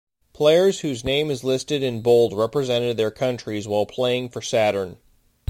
Players whose name is listed in bold represented their countries while playing for Saturn.